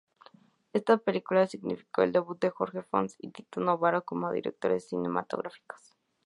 Esta película significó el debut de Jorge Fons y Tito Novaro como directores cinematográficos.